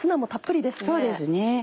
そうですね。